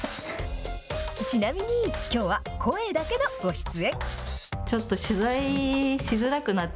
ちなみにきょうは声だけのご出演。